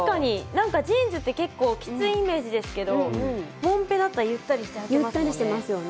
なんかジーンズって結構きついイメージですけどもんぺだとゆったりしてはけますもんね。